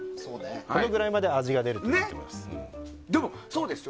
このぐらいまで味が出るということです。